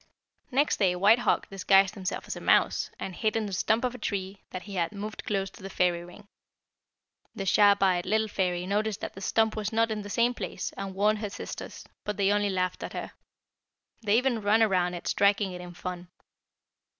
"Next day White Hawk disguised himself as a mouse, and hid in the stump of a tree that he had moved close to the fairy ring. The sharp eyed little fairy noticed that the stump was not in the same place, and warned her sisters, but they only laughed at her. They even ran around it striking it in fun.